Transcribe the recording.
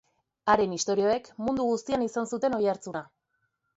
Haren istorioek mundu guztian izan zuten oihartzuna.